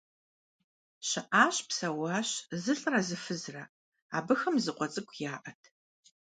ЩыӀащ-псэуащ зылӀрэ зы фызрэ. Абыхэм зы къуэ цӀыкӀу яӀэт.